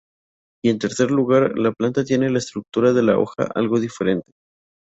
Y en tercer lugar, la planta tiene la estructura de la hoja algo diferente.